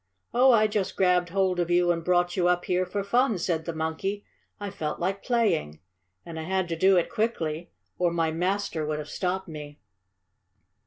"Oh, I just grabbed hold of you and brought you up here for fun," said the monkey. "I felt like playing. And I had to do it quickly, or my master would have stopped me.